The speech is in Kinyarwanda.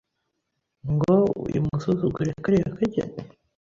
ngo imusuzugure kariya kageni